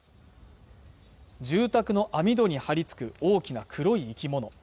住宅の網戸に張り付く大きな黒い生き物